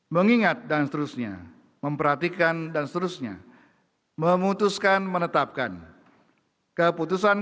mengingat dan seterusnya memperhatikan dan seterusnya memutuskan menetapkan keputusan